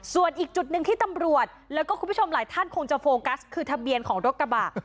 ส่วนอีกจุดหนึ่งที่ตำรวจแล้วก็คุณผู้ชมหลายท่านคงจะโฟกัสคือทะเบียนของรถกระบะ